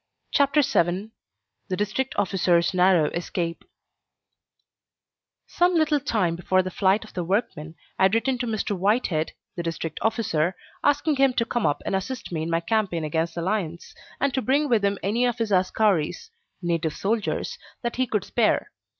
CHAPTER VII THE DISTRICT OFFICER'S NARROW ESCAPE Some little time before the flight of the workmen, I had written to Mr. Whitehead, the District Officer, asking him to come up and assist me in my campaign against the lions, and to bring with him any of his askaris (native soldiers) that he could spare.